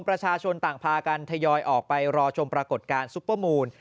ประชาชนต่างพากันทยอยออกไปรอชมปรากฏการณซุปเปอร์มูล